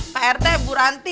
pak rt bu ranti